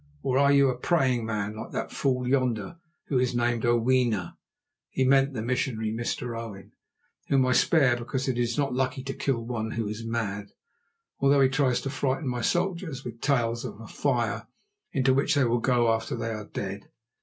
Or are you a praying man, like that fool yonder, who is named Oweena?"—he meant the missionary Mr. Owen—"whom I spare because it is not lucky to kill one who is mad, although he tries to frighten my soldiers with tales of a fire into which they will go after they are dead.